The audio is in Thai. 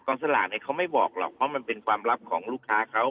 สลากเนี่ยเขาไม่บอกหรอกเพราะมันเป็นความลับของลูกค้าเขา